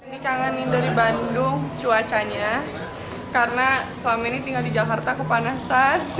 dikangenin dari bandung cuacanya karena selama ini tinggal di jakarta kepanasan